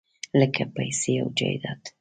لکه پیسې او جایداد .